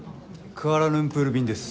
クアラルンプール便です。